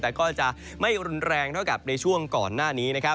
แต่ก็จะไม่รุนแรงทั่วกับในช่วงก่อนหน้านี้